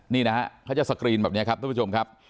นี่นะฮะเขาจะสกรีนแบบนี้ครับทุกผู้ชมครับ